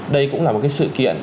đây cũng là một cái sự kiện